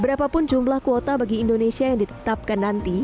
berapapun jumlah kuota bagi indonesia yang ditetapkan nanti